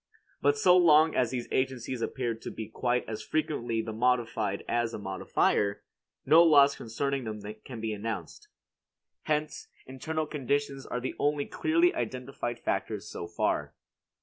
But so long as these agencies appear to be quite as frequently the modified as the modifier, no laws concerning them can be announced. Hence, internal conditions are the only clearly identified factors so far.